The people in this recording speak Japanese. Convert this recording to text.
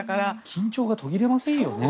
緊張が途切れませんよね。